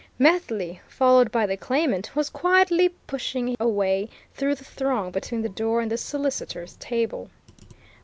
Methley, followed by the claimant, was quietly pushing a way through the throng between the door and the solicitor's table.